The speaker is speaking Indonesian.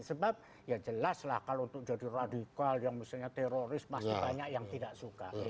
sebab ya jelas lah kalau untuk jadi radikal yang misalnya teroris pasti banyak yang tidak suka